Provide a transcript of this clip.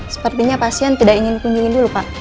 sepertinya pasien tidak ingin dikunjungi dulu pak